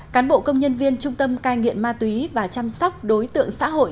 cán bộ công nhân viên trung tâm cai nghiện ma túy và chăm sóc đối tượng xã hội